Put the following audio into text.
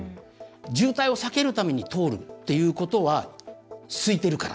渋滞を避けるために通るっていうことは空いてるから。